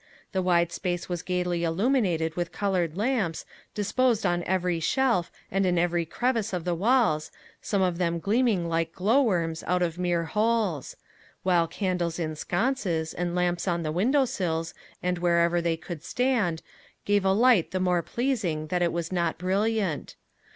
The wide space was gayly illuminated with colored lamps, disposed on every shelf, and in every crevice of the walls, some of them gleaming like glow worms out of mere holes; while candles in sconces, and lamps on the window sills and wherever they could stand, gave a light the more pleasing that it was not brilliant.